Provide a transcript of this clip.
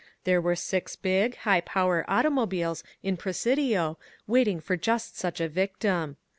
There were six big, high power automobiles in Presidio waiting for just such a victim.